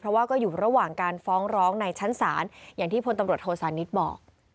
เพราะว่าก็อยู่ระหว่างการฟ้องร้องในชั้นศาลอย่างที่พลตำรวจโทษานิทบอก